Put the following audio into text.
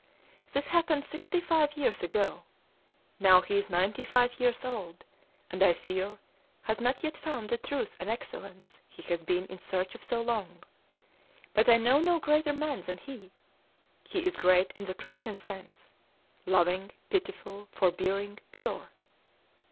"This happened sixty five years ago. Now he is ninety five years old; and, I fear, has not yet found the truth and excellence he has been in search of so long. But I know no greater man than he. He is great in the Christian sense, loving, pitiful, forbearing, pure.